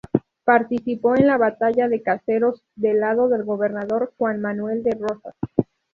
Participó en la Batalla de Caseros del lado del gobernador Juan Manuel de Rosas.